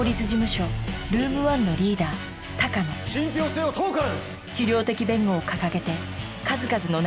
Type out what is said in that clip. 信ぴょう性を問うからです！